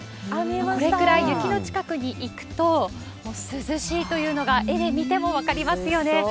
これくらい雪の近くに行くと、もう涼しいというのが絵で見ても分かりますよね。